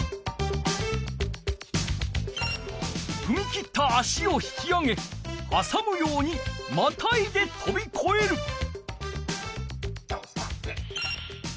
ふみ切った足を引き上げはさむようにまたいでとびこえる。